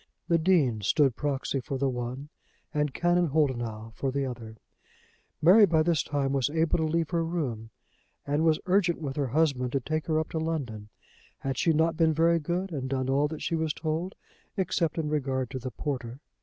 The Dean stood proxy for the one, and Canon Holdenough for the other. Mary by this time was able to leave her room, and was urgent with her husband to take her up to London. Had she not been very good, and done all that she was told, except in regard to the porter?